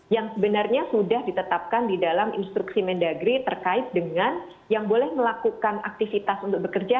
yang sebenarnya sudah ditetapkan di dalam instruksi mendagri terkait dengan yang boleh melakukan aktivitas untuk bekerja